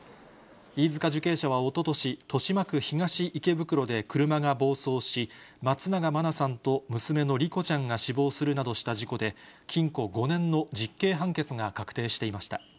飯塚受刑者はおととし、豊島区東池袋で車が暴走し、松永真菜さんと娘の莉子ちゃんが死亡するなどした事故で、禁錮５年の実刑判決が確定していました。